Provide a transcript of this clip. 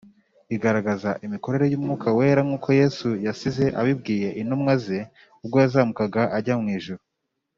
igaragaza imikorere y’ umwuka wera nkuko Yesu yasize abibwiye intumwa ze ubwo yazamukaga ajya mu ijuru.